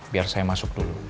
biar saya masuk dulu